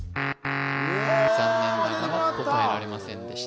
残念ながら答えられませんでし